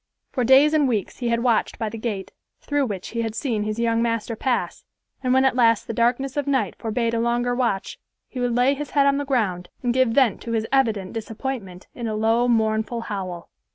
For days and weeks he had watched by the gate, through which he had seen his young master pass, and when at last the darkness of night forbade a longer watch, he would lay his head on the ground and give vent to his evident disappointment in a low, mournful howl.